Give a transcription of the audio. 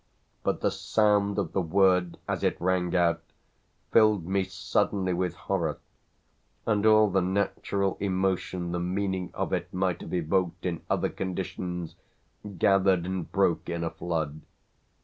But the sound of the word, as it rang out, filled me suddenly with horror, and all the natural emotion the meaning of it might have evoked in other conditions gathered and broke in a flood.